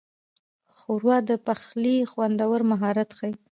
ښوروا د پخلي خوندور مهارت ښيي.